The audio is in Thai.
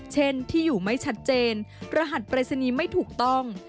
เช่นที่อยู่ไม่ชัดเจนรหัสปริศนีย์ไม่ถูกต้อง